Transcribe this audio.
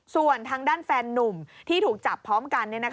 ส่วนทางด้านแฟนนุ่มที่ถูกจับพร้อมกัน